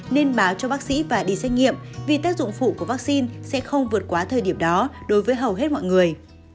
nên báo cho bác sĩ và đi xét nghiệm vì tác dụng phụ của vaccine sẽ không vượt quá thời điểm đó đối với hầu hết mọi người